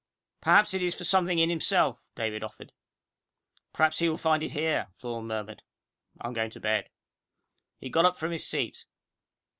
"Perhaps it is for something in himself," David offered. "Perhaps he will find it here," Thorne murmured. "I'm going to bed." He got up from his seat.